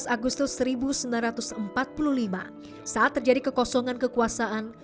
tujuh belas agustus seribu sembilan ratus empat puluh lima saat terjadi kekosongan kekuasaan